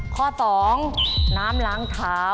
ข้อ๒น้ำล้างเท้า